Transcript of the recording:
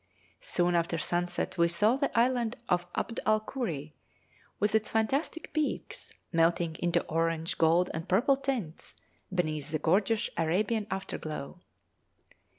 Soon after sunset we saw the island of Abd al Kuri, with its fantastic peaks, melting into orange, gold, and purple tints, beneath the gorgeous Arabian afterglow.